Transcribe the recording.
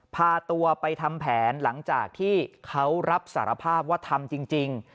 พาตัวไปทำแผนหลังจากที่เขารับสารภาพว่าทำจริง